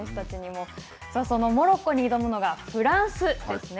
そのモロッコに挑むのがフランスですね。